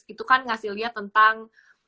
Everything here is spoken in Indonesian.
itu kan ngasih lihat tentang